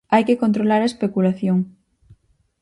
Hai que controlar a especulación.